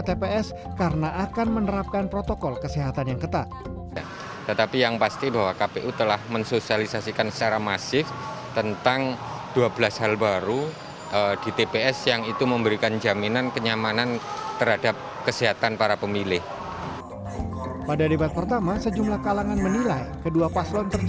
dan akan memastikan pelayanan terbaik kepada masyarakat